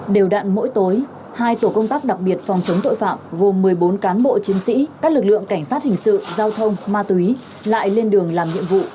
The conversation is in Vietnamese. đều đặn mỗi tối hai tổ công tác đặc biệt phòng chống tội phạm gồm một mươi bốn cán bộ chiến sĩ các lực lượng cảnh sát hình sự giao thông ma túy lại lên đường làm nhiệm vụ